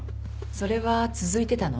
それは続いてたの？